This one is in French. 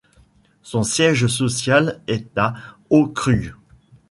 Son siège social est à Aukrug.